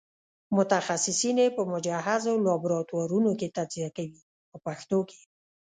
متخصصین یې په مجهزو لابراتوارونو کې تجزیه کوي په پښتو کې.